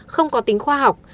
không có tính khoa học